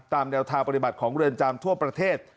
ตามแนวทางปฏิบัติของเรือนจำทั่วประเทศ